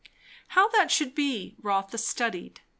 How that should be, Rotha studied.